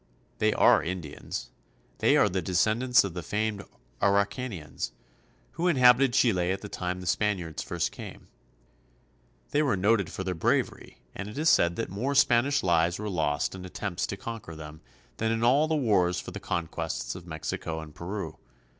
They are Indians. They are the descendants of the famed Araucanians, who inhabited Chile at the time the Spaniards first came. They were noted for their bravery, and it is said that more Spanish lives were lost in attempts "They are the descendants of the famed Araucanians." to conquer them than in all the wars for the conquests of Mexico and Peru.